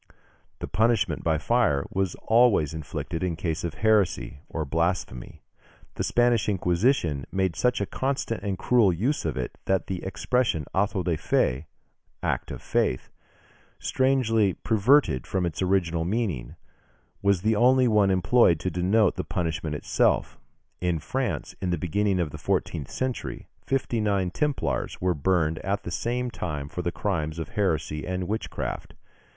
The punishment by fire was always inflicted in cases of heresy, or blasphemy. The Spanish Inquisition made such a constant and cruel use of it, that the expression auto da fé (act of faith), strangely perverted from its original meaning, was the only one employed to denote the punishment itself. In France, in the beginning of the fourteenth century, fifty nine Templars were burned at the same time for the crimes of heresy and witchcraft.